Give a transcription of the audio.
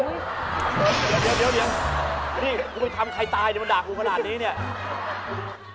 เดี๋ยวนี่มันทำใครตายมันด่ากูขนาดนี้เนี่ย